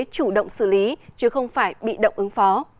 chủ động xử lý chứ không phải bị động ứng phó